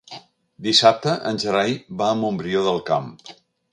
Dissabte en Gerai va a Montbrió del Camp.